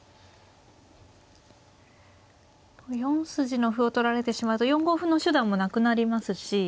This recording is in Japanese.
４筋の歩を取られてしまうと４五歩の手段もなくなりますし。